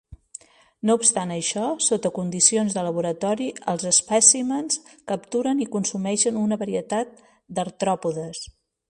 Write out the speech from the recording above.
No obstant això, sota condicions de laboratori, els espècimens capturen i consumeixen una varietat d'artròpodes.